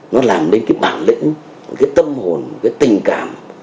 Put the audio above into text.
nó làm nên cái bản lĩnh cái tâm hồn cái tình cảm